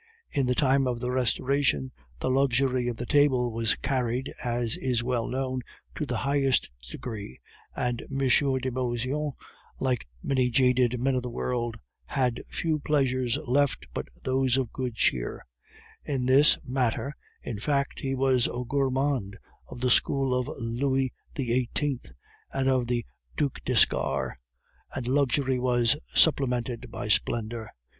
In the time of the Restoration the luxury of the table was carried, as is well known, to the highest degree, and M. de Beauseant, like many jaded men of the world, had few pleasures left but those of good cheer; in this matter, in fact, he was a gourmand of the schools of Louis XVIII. and of the Duc d'Escars, and luxury was supplemented by splendor.